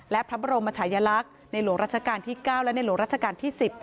และพระบรมชายลักษณ์ในหลวงราชการที่๙และในหลวงราชการที่๑๐